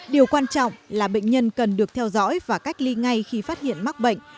điều quan trọng là bệnh nhân cần được theo dõi và cách ly ngay khi phát hiện mắc bệnh